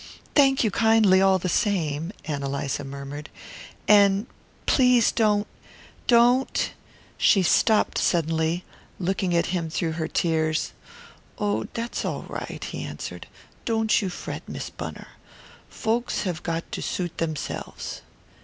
"Thank you kindly all the same," Ann Eliza murmured. "And please don't don't " She stopped suddenly, looking at him through her tears. "Oh, that's all right," he answered. "Don't you fret, Miss Gunner. Folks have got to suit themselves."